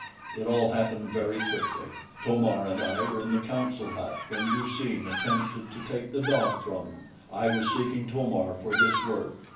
It all happened very quickly. To mar and I were in the council hut when Du seen attempted to take the dog from you. I was seeking To mar for this work.